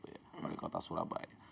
dari kota surabaya